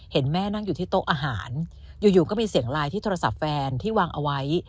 เห็นแม่นั่งอยู่ที่โต๊ะอาหารอยู่ก็มีเสียงไลน์ที่โทรศัพท์แฟนที่วางเอาไว้